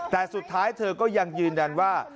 แต่สุดท้ายเธอก็ยังยืนยันว่า